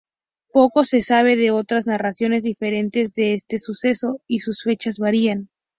Poco se sabe de otras narraciones diferentes de este suceso y sus fecha varían.